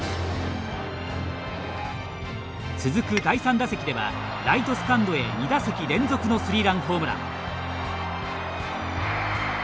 続く第３打席ではライトスタンドへ２打席連続のスリーランホームラン。